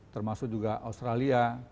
termasuk juga australia